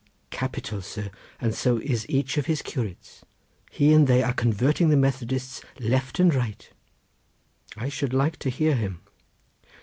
"Capital, sir! and so is each of his curates; he and they are convarting the Methodists left and right." "I should like to hear him."